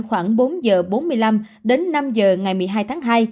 khoảng bốn giờ bốn mươi năm đến năm h ngày một mươi hai tháng hai